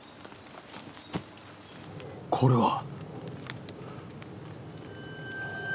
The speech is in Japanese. これは。